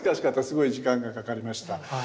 すごい時間がかかりました。